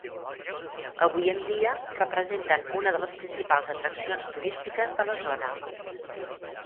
Avui en dia representen una de les principals atraccions turístiques de la zona.